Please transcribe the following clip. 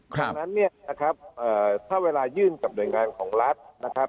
ดังนั้นเนี่ยนะครับถ้าเวลายื่นกับหน่วยงานของรัฐนะครับ